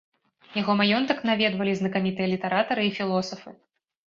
Яго маёнтак наведвалі знакамітыя літаратары і філосафы.